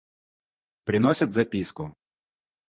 Приносят записку.